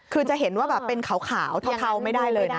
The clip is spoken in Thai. คือจะเห็นว่าแบบเป็นขาวเทาไม่ได้เลยนะ